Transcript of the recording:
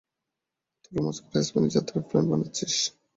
তোর রোমাঞ্চকর স্প্যানিশ যাত্রার প্ল্যান বানাচ্ছিস?